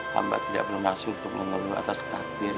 hamba tidak berumahsum untuk mengunggu atas takdir